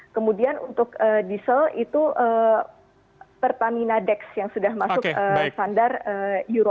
kemudian untuk diesel itu pertamina dex yang sudah masuk standar euro